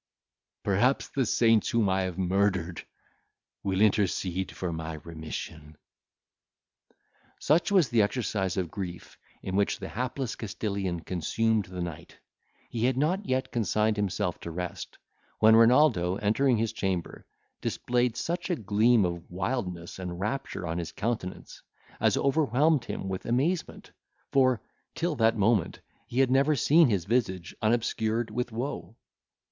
Perhaps the saints whom I have murdered will intercede for my remission." Such was the exercise of grief, in which the hapless Castilian consumed the night; he had not yet consigned himself to rest, when Renaldo entering his chamber, displayed such a gleam of wildness and rapture on his countenance, as overwhelmed him with amazement; for, till that moment, he had never seen his visage unobscured with woe.